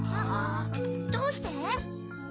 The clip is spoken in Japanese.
どうして？